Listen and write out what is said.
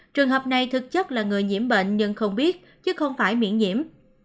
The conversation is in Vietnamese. trường hợp này thực chất là người nhiễm bệnh nhưng không biết chứ không phải miễn nhiễm